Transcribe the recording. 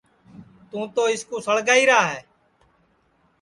توں تو اِس کُو سِݪگائیرا ہے